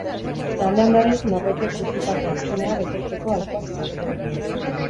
Igandean berriz, norbaitek utzitako hutsunea betetzeko aholkuak jasoko ditugu.